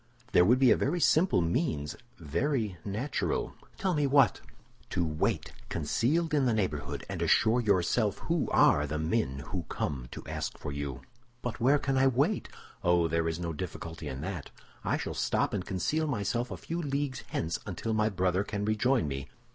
"There would be a very simple means, very natural—" "Tell me what!" "To wait, concealed in the neighborhood, and assure yourself who are the men who come to ask for you." "But where can I wait?" "Oh, there is no difficulty in that. I shall stop and conceal myself a few leagues hence until my brother can rejoin me.